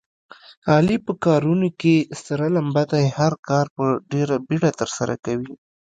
علي په کارونو کې سره لمبه دی. هر کار په ډېره بیړه ترسره کوي.